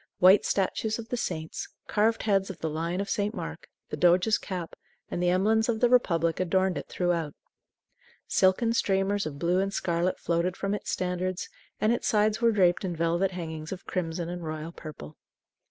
White statues of the saints, carved heads of the lion of St. Mark, the doge's cap, and the emblems of the Republic adorned it throughout. Silken streamers of blue and scarlet floated from its standards; and its sides were draped in velvet hangings of crimson and royal purple.